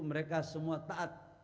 mereka semua taat